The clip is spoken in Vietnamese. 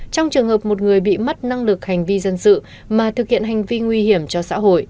trong trường hợp một người bị mất năng lực hành vi dân sự mà thực hiện hành vi nguy hiểm cho xã hội